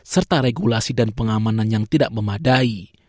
serta regulasi dan pengamanan yang tidak memadai